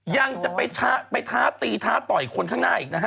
ยังจะไปท้าตีท้าต่อยคนข้างหน้าอีกนะฮะ